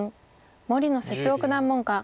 森野節男九段門下。